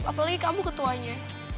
apalagi kamu ketuanya